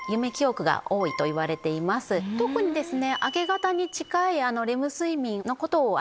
特にですね。